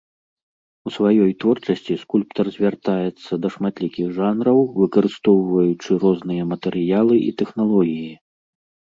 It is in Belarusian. У сваёй творчасці скульптар звяртаецца да шматлікіх жанраў, выкарыстоўваючы розныя матэрыялы і тэхналогіі.